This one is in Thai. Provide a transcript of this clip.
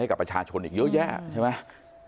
กับประชาชนอีกเยอะแยะใช่ไหม